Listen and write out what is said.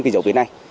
cái dấu viên này